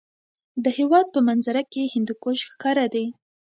د هېواد په منظره کې هندوکش ښکاره دی.